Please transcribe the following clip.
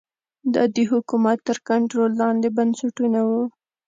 دا د حکومت تر کنټرول لاندې بنسټونه وو